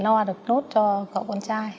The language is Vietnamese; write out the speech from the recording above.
lo được nốt cho cậu con trai